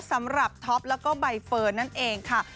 สำหรับท็อปแล้วก็ใบเฟิร์นนั่นเองค่ะ